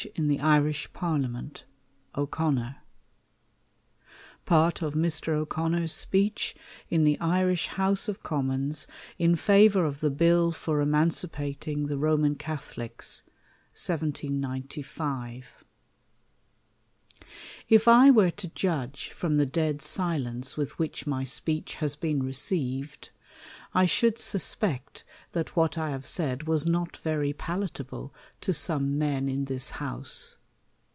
Part THE COLUMBIAN ORATOR. 243 Part of Mr. O'Connor's Speech in the Irish Ilousri OF Commons, in Favour of the Bill for EMANCIPATING THE RoMAN CaTHOLICS, 1795. IF I were to judiije from the dead silence with whicK my speech has been received, I should suspect that what J have said was not very palatable to some men in this House.